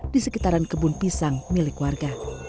di sekitaran kebun pisang milik warga